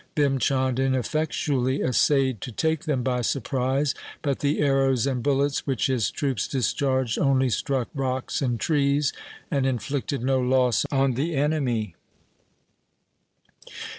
Bhim Chand ineffectually essayed to take them by surprise, but the arrows and bullets which his troops discharged only struck rocks and trees, and inflicted no loss on the enemy.